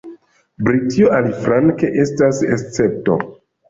Britio, aliflanke, estas escepto.